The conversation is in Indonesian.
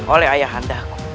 oleh ayah andahku